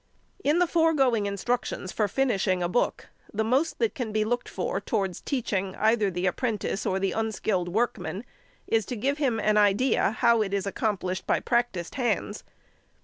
In the foregoing instructions for finishing a book, the most that can be looked for towards teaching either the apprentice or the unskilled workman is to give him an idea how it is accomplished by practised hands.